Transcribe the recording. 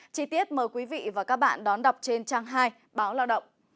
chí tiết mời quý vị và các bạn đón đọc trên trang hai báo lao động